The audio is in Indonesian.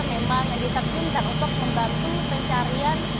memang diterjunkan untuk membantu pencarian